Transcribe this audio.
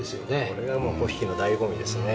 これがもう粉引のだいご味ですね。